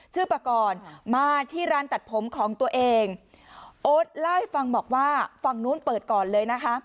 ปากรมาที่ร้านตัดผมของตัวเองโอ๊ตเล่าให้ฟังบอกว่าฝั่งนู้นเปิดก่อนเลยนะคะ